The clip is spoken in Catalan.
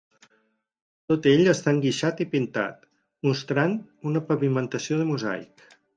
Tot ell està enguixat i pintat, mostrant una pavimentació de mosaic.